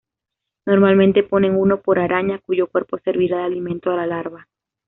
Normalmente ponen uno por araña, cuyo cuerpo servirá de alimento a la larva.